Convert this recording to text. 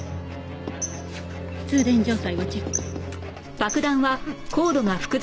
通電状態をチェック。